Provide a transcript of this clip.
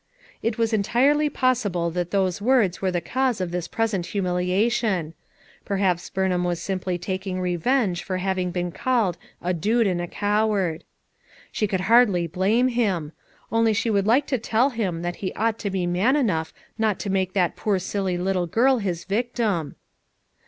It was en tirely possible that those words were the cause of this present humiliation; perhaps Bumham was simply taking revenge for having beea called "a dude and a coward. 5 ' She could hardly blame him! only she would like to tell him that he ought to be man enough not to make that poor silly little girl his victim.